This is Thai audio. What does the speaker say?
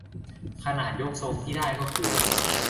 ขนาดยกทรงที่ได้ก็คือ